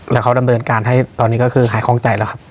แล้วเขาดำเนินการให้ตอนนี้ก็คือหายคล่องใจแล้วครับ